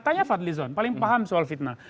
katanya fadlizon paling paham soal fitnah